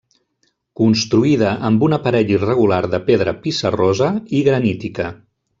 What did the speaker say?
Construïda amb un aparell irregular de pedra pissarrosa i granítica.